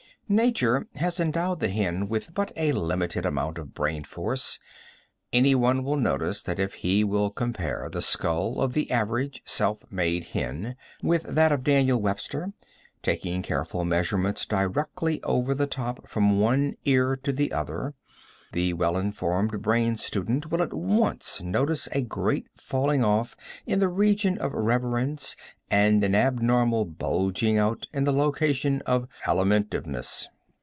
Nature has endowed the hen with but a limited amount of brain force. Any one will notice that if he will compare the skull of the average self made hen with that of Daniel Webster, taking careful measurements directly over the top from one ear to the other, the well informed brain student will at once notice a great falling off in the region of reverence and an abnormal bulging out in the location of alimentiveness.